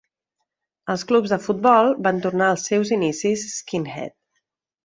Els clubs de futbol van tornar als seus inicis skinhead.